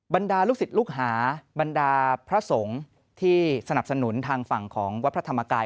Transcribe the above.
บรรดาลูกศิษย์ลูกหาบรรดาพระสงฆ์ที่สนับสนุนทางฝั่งของวัดพระธรรมกาย